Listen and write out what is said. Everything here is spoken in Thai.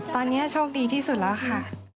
ตอนนี้โชคดีที่สุดแล้วค่ะ